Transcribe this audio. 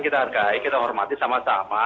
kita hargai kita hormati sama sama